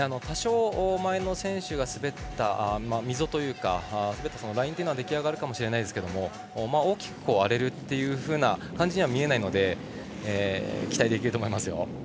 多少、前の選手が滑った溝というか滑ったラインというのは出来上がるかもしれませんが大きく荒れるという感じには見えないので期待できると思います。